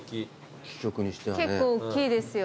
結構おっきいですよ。